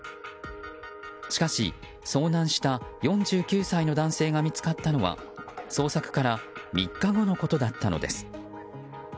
しかし、遭難した４９歳の男性が見つかったのは捜索から３日後のことだったのです。